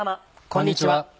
こんにちは。